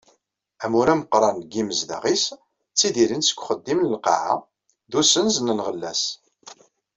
Amur ameqqran deg yimezdaɣ-is, ttidiren seg uxeddim n lqaεa, d usenz n lɣella-s.